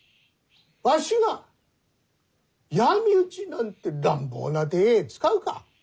わしが闇討ちなんて乱暴な手使うか。